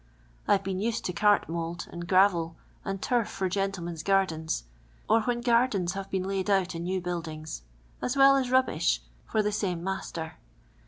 I 've been usi*d to cart mould, and gravel, and turf for gentlemen's gardens, or whrn gardens have l)een laid out in new building*, as well as rubbish, for the same master.